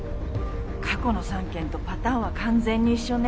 過去の３件とパターンは完全に一緒ね。